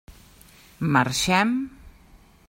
Marxem?